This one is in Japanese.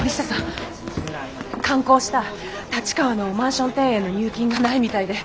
完工した立川のマンション庭園の入金がないみたいで。